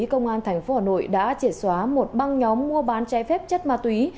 công an tp hà nội đã triệt xóa một băng nhóm mua bán trái phép chất ma túy